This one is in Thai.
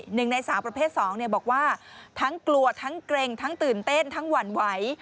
หนึ่งในสาวประเภท๒บอกว่าทั้งกลัวทั้งเกร็งทั้งตื่นเต้นทั้งหวั่นไหว